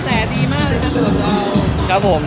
เสียดีมากเลยครับ